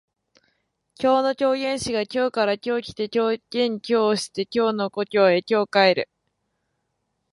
今日の狂言師が京から今日来て狂言今日して京の故郷へ今日帰る